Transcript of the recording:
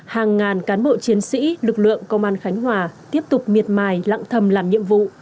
hàng ngàn cán bộ chiến sĩ lực lượng công an khánh hòa tiếp tục miệt mài lặng thầm làm nhiệm vụ